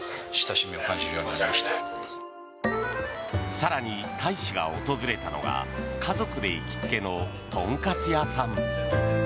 更に、大使が訪れたのが家族で行きつけのトンカツ屋さん。